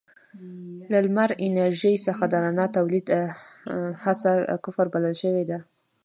له لمر انرژۍ څخه د رڼا تولید هڅه کفر بلل شوې ده.